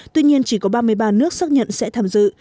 tuy nhiên chỉ có ba mươi ba nước xác nhận sẽ tham dự